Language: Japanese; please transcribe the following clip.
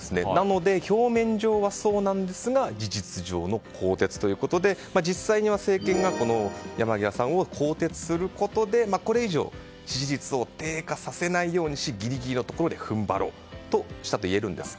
表面上はそうなんですが事実上の更迭ということで実際には政権が山際さんを更迭することでこれ以上、支持率を低下させないようにしギリギリのところで踏ん張ろうとしたといえるんです。